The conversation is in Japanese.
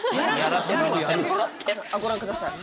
ご覧ください